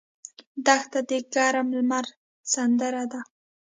دښته د ګرم لمر سندره ده.